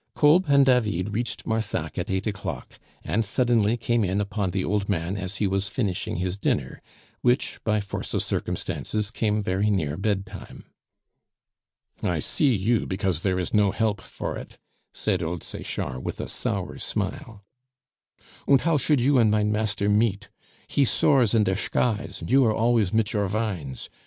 Kolb and David reached Marsac at eight o'clock, and suddenly came in upon the old man as he was finishing his dinner, which, by force of circumstances, came very near bedtime. "I see you because there is no help for it," said old Sechard with a sour smile. "Und how should you and mein master meet? He soars in der shkies, and you are always mit your vines!